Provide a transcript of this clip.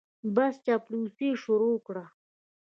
بس چاپلوسي یې شروع کړه.